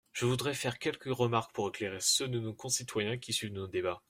Je voudrais faire quelques remarques pour éclairer ceux de nos concitoyens qui suivent nos débats.